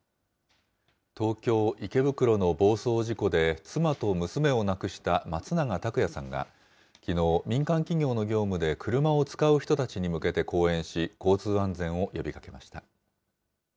東京・池袋の暴走事故で妻と娘を亡くした松永拓也さんがきのう、民間企業の業務で車を使う人たちに向けて講演し、交通安全を呼びかけました。